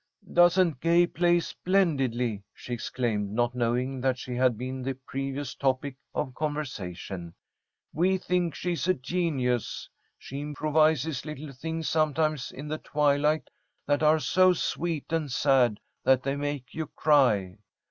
"Doesn't Gay play splendidly?" she exclaimed, not knowing that she had been the previous topic of conversation. "We think she's a genius. She improvises little things sometimes in the twilight that are so sweet and sad they make you cry.